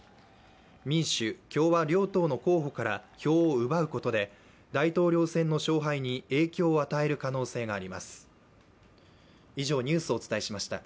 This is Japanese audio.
民主・共和両党の候補から票を奪うことで大統領選の勝敗に影響を与える可能性があります。